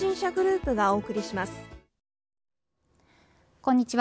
こんにちは。